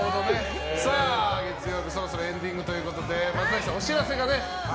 月曜日、そろそろエンディングということで松崎さん、お知らせが。